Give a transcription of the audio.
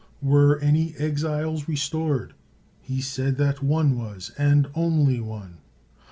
Were any exiles restored? He said that one was, and only one.